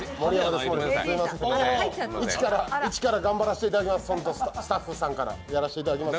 一から頑張らせていただきます、スタッフさんから。